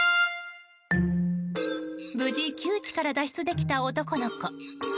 無事、窮地から脱出できた男の子。